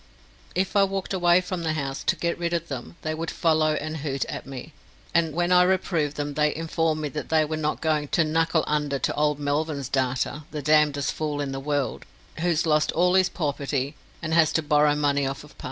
If I walked away from the house to get rid of them, they would follow and hoot at me; and when I reproved them they informed me they were not going "to knuckle under to old Melvyn's darter, the damnedest fool in the world, who's lost all his prawperty, and has to borry money off of pa."